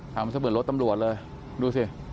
เสมือนรถตำรวจเลยดูสิ